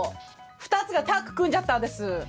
２つがタッグ組んじゃったんです。